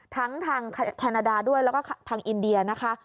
ทั้งทางแคนาดาด้วยแล้วก็ทางอินเดียนะคะ